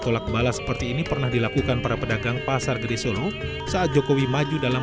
tolak balas seperti ini pernah dilakukan para pedagang pasar gede solo saat jokowi maju dalam